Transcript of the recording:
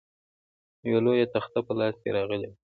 یوه لویه تخته په لاس راغلې وه.